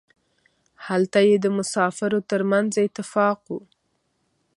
هلته یې د مسافرو ترمنځ اتفاق و.